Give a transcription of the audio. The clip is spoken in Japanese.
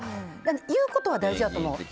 言うことは大事だと思う。